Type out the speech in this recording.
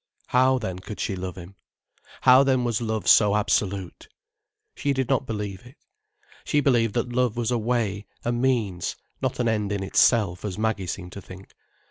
How then could she love him? How then was love so absolute? She did not believe it. She believed that love was a way, a means, not an end in itself, as Maggie seemed to think.